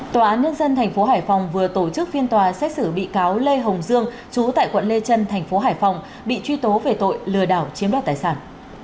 tòa án nhân dân tp hải phòng vừa tổ chức phiên tòa xét xử bị cáo lê hồng dương chú tại quận lê trân thành phố hải phòng bị truy tố về tội lừa đảo chiếm đoạt tài sản